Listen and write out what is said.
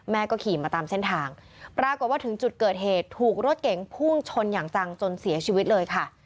ขี่มาตามเส้นทางปรากฏว่าถึงจุดเกิดเหตุถูกรถเก๋งพุ่งชนอย่างจังจนเสียชีวิตเลยค่ะ